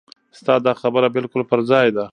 ستا دا خبره بالکل پر ځای ده.